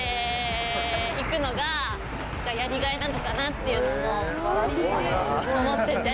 っていうのも思ってて。